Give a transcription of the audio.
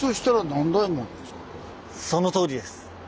そのとおりです。